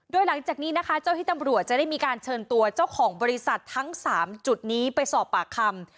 โดยหลังจากนี้นะคะเจ้าที่ตำรวจจะได้มีการเชิญตัวเจ้าของบริษัททั้ง๓จุดนี้ไปสอบปากคำ